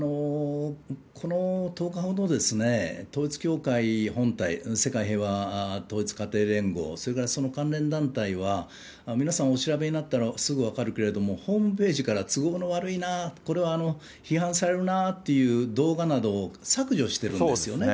この１０日ほど、統一教会本体、世界平和統一家庭連合、それからその関連団体は、皆さんお調べになったらすぐ分かるけれども、ホームページから、都合が悪いな、これは批判されるなっていう動画などを、削除してるんですよね。